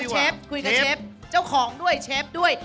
เชฟคุยกับเชฟเจ้าของด้วยเชฟด้วย